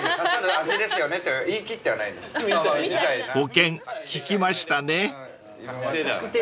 ［保険効きましたね］